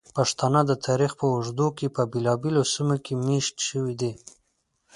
پښتانه د تاریخ په اوږدو کې په بېلابېلو سیمو کې میشت شوي دي.